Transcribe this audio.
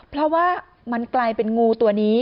เพราะว่ามันกลายเป็นงูตัวนี้